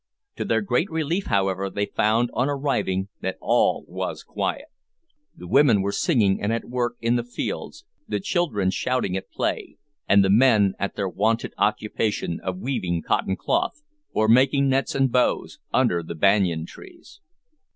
To their great relief, however, they found on arriving that all was quiet. The women were singing and at work in the fields, the children shouting at play, and the men at their wonted occupation of weaving cotton cloth, or making nets and bows, under the banyan trees.